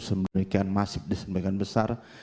sebegian masif sebegian besar